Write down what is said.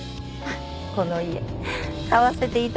この家買わせていただ。